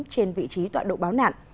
trên vị trí tọa độ báo nạn